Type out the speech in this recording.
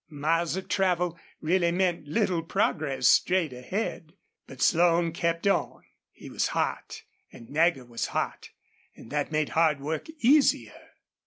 Miles of travel really meant little progress straight ahead. But Slone kept on. He was hot and Nagger was hot, and that made hard work easier.